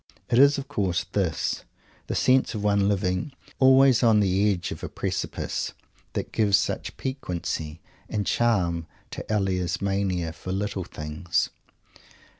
It is, of course, this, the sense of one living always on the edge of a precipice, that gives such piquancy and charm to Elia's mania for "little things."